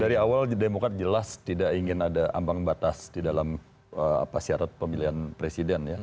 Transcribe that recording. dari awal demokrat jelas tidak ingin ada ambang batas di dalam syarat pemilihan presiden ya